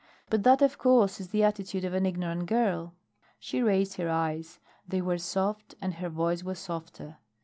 But that of course is the attitude of an ignorant girl." She raised her eyes. They were soft, and her voice was softer.